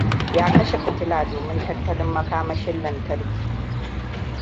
Ya kashe fitila domin tattalin makamashin lantarki.